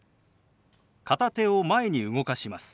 片手を前に動かします。